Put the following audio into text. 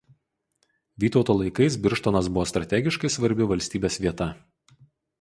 Vytauto laikais Birštonas buvo strategiškai svarbi valstybės vieta.